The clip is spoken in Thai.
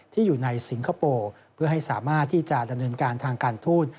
ที่อยู่ในสิงคโปร์เพื่อให้สามารถที่จะดำเนินการทางการทูต